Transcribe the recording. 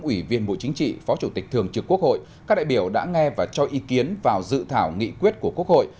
ủy viên bộ chính trị phó chủ tịch thường trực quốc hội các đại biểu đã nghe và cho ý kiến vào dự thảo nghị quyết của quốc hội